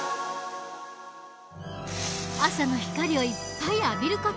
朝の光をいっぱい浴びる事。